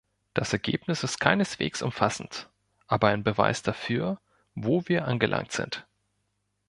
Das Ergebnis ist keineswegs umfassend, aber ein Beweis dafür, wo wir angelangt sind.